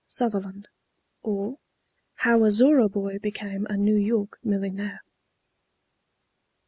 SUTHERLAND; OR, HOW A ZORRA BOY BECAME A NEW YORK MILLIONAIRE.